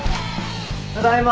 ただいま。